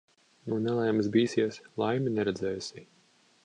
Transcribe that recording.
No nelaimes bīsies, laimi neredzēsi.